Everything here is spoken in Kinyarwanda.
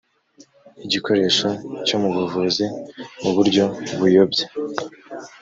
igikoresho cyo mu buvuzi mu buryo buyobya